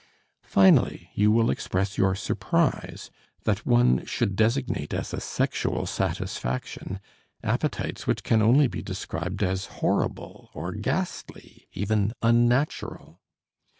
Finally, you will express your surprise that one should designate as a sexual satisfaction appetites which can only be described as horrible or ghastly, even unnatural.